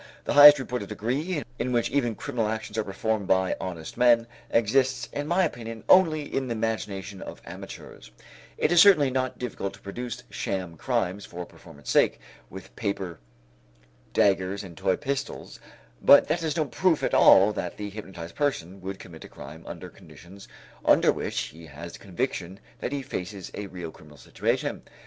The highest reported degree, in which even criminal actions are performed by honest men, exists in my opinion only in the imagination of amateurs; it is certainly not difficult to produce sham crimes for performance sake, with paper daggers and toy pistols, but that is no proof at all that the hypnotized person would commit a crime under conditions under which he has the conviction that he faces a real criminal situation.